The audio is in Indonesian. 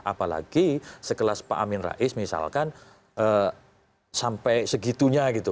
apalagi sekelas pak amin rais misalkan sampai segitunya gitu